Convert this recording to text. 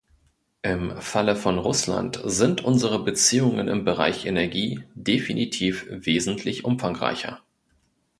Im Falle von Russland sind unsere Beziehungen im Bereich Energie definitiv wesentlich umfangreicher.